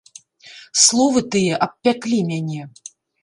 Словы тыя абпяклі мяне.